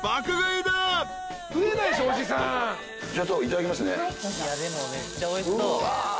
いただきますね。